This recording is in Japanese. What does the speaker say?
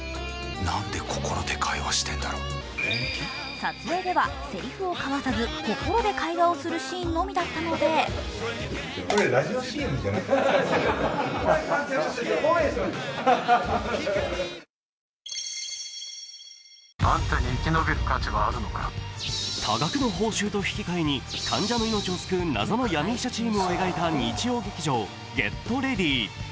撮影ではセリフを交わさず、心で会話するシーンのみだったので多額の報酬と引き換えに患者の命を救う謎の闇医者チームを描いた日曜劇場「ＧｅｔＲｅａｄｙ！」。